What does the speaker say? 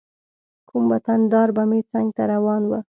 کوم وطن دار به مې څنګ ته روان و.